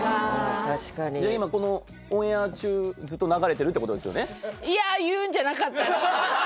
確かにこのオンエア中ずっと流れてるってことですよね？